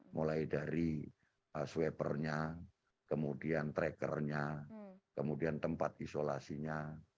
mulai dari swiper nya kemudian tracker nya kemudian tempat isolasinya